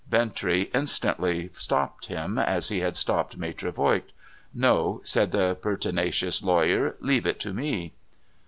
Bintrey instantly stopped him, as he had stopped Maitre Voigt. ' No,' said the pertinacious lawyer. ' Leave it to me.'